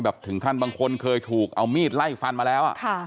ถึงขั้นบางคนเคยถูกเอามีดไล่ฟันมาแล้ว